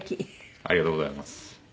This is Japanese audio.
ありがとうございます。